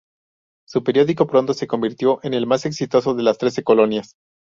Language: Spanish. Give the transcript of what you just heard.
Su periódico pronto se convirtió en el más exitoso de las Trece Colonias.